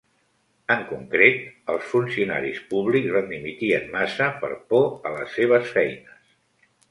En concret, els funcionaris públics van dimitir en massa per por a les seves feines.